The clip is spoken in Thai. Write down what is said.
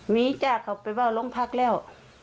มีจ้าเขาไปว่าโรงพักแล้ว